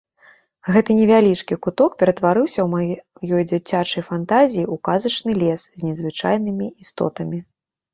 Гэты невялічкі куток ператварыўся ў маёй дзіцячай фантазіі ў казачны лес з незвычайнымі істотамі.